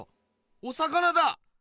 お魚だ！